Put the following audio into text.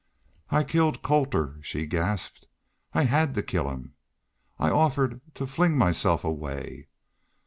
"I killed Colter," she gasped. "I HAD to kill him! ... I offered to fling myself away...."